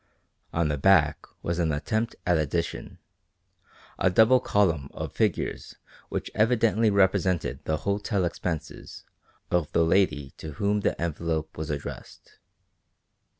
On the back was an attempt at addition, a double column of figures which evidently represented the hotel expenses of the lady to whom the envelope was addressed.